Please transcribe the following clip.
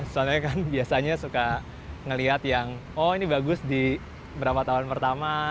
soalnya kan biasanya suka ngelihat yang oh ini bagus di berapa tahun pertama